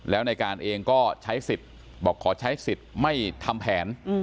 แล้วในการเองก็ใช้สิทธิ์บอกขอใช้สิทธิ์ไม่ทำแผน